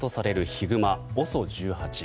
ヒグマＯＳＯ１８。